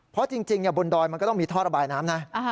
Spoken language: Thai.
เพราะจริงบนดอยมันก็ต้องมีท่อระบายน้ำนะ